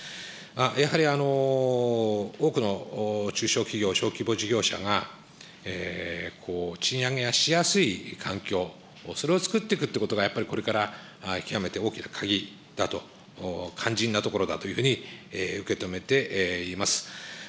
やはり多くの中小企業・小規模事業者が賃上げしやすい環境、それをつくっていくということがやっぱりこれから極めて大きな鍵だと、肝心なところだというふうに受け止めています。